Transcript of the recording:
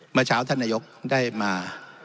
เมื่อเช้าท่านนายกได้มา